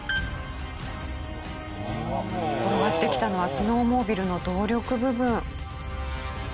転がってきたのはスノーモービルの動力部分。